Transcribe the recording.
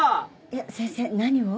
いや先生何を？